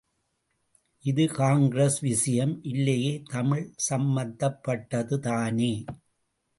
இது காங்கிரஸ் விஷயம் இல்லையே தமிழ் சம்பந்தப்பட்டதுதானே.